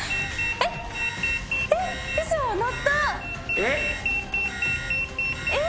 えっ！えっ？